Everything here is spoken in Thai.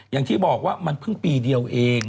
อย่างที่บอกว่ามันเพิ่งปีเดียวเอง